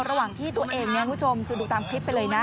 ระหว่างที่ตัวเองเนี่ยคุณผู้ชมคือดูตามคลิปไปเลยนะ